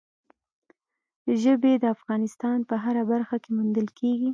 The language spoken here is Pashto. ژبې د افغانستان په هره برخه کې موندل کېږي.